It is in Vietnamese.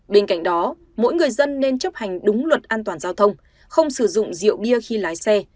bên cạnh đó mỗi người dân nên chấp hành đúng luật an toàn giao thông không sử dụng rượu bia khi lái xe